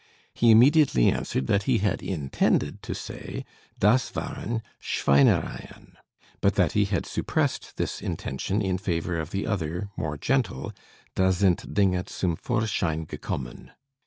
He immediately answered that he had intended to say "Das waren schweinereien," but that he had suppressed this intention, in favor of the other, more gentle "Da sind dinge zum vorschein gekommen."